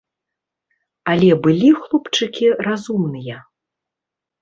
Але былі хлопчыкі разумныя.